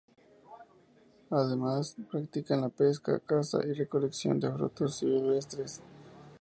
Además practican la pesca, caza y recolección de frutos silvestres.